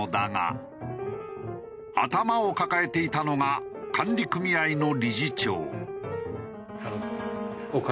頭を抱えていたのが管理組合の理事長。